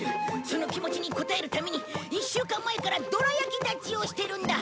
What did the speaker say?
その気持ちに応えるために１週間前からどら焼き断ちをしてるんだ！